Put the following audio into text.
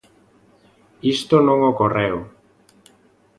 Isto non ocorreu.